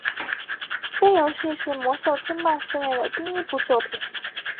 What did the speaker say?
该游戏是魔兽争霸系列的第一部作品。